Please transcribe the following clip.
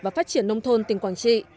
và phát triển nông thôn tỉnh quảng trị